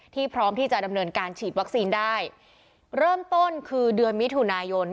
พร้อมที่จะดำเนินการฉีดวัคซีนได้เริ่มต้นคือเดือนมิถุนายน